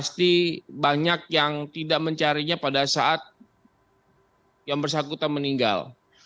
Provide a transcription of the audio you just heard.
jadi banyak yang tidak mencarinya pada saat yang bersyakutan meninggal